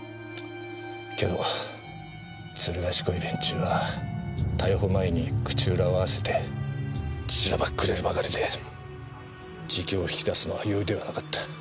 けどずる賢い連中は逮捕前に口裏を合わせてしらばっくれるばかりで自供を引き出すのは容易ではなかった。